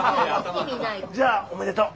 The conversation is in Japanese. じゃあおめでとう。